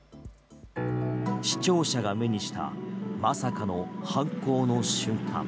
視聴者が目にしたまさかの犯行の瞬間。